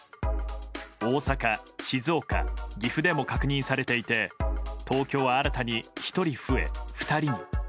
大阪、静岡、岐阜でも確認されていて東京は新たに１人増え、２人に。